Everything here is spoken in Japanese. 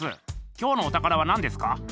きょうのお宝はなんですか？